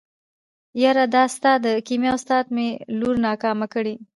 يره دا ستا د کيميا استاد مې لور ناکامه کړې.